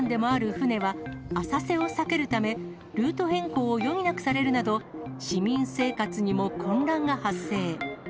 船は、浅瀬を避けるため、ルート変更を余儀なくされるなど、市民生活にも混乱が発生。